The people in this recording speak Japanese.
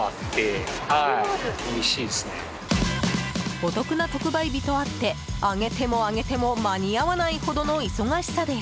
お得な特売日とあって揚げても揚げても間に合わないほどの忙しさです。